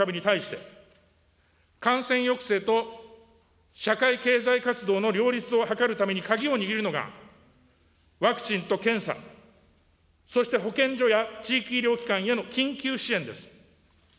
感染力の強いオミクロン株に対して、感染抑制と社会経済活動の両立を図るために鍵を握るのが、ワクチンと検査、そして保健所や地域医療機関への緊急支援です。